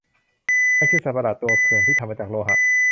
มันคือสัตว์ประหลาดตัวเขื่องที่ทำมาจากโลหะ